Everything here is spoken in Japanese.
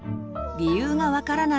理由が分からない